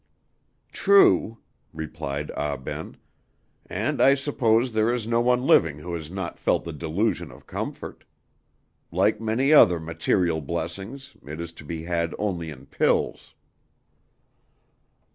"True," replied Ah Ben, "and I suppose there is no one living who has not felt the delusion of comfort. Like many other material blessings, it is to be had only in pills."